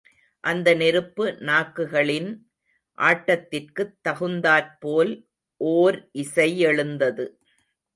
அந்த நெருப்பு நாக்குகளின் ஆட்டத்திற்குத் தகுந்தாற்போல் ஓர் இசை யெழுந்தது.